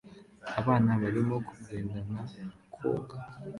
abana barimo kugendana koga